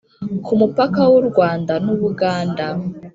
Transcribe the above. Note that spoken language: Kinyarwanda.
ku mupaka w'u rwanda n'u buganda,